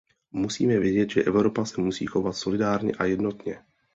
Musíme vědět, že Evropa se musí chovat solidárně a jednotně.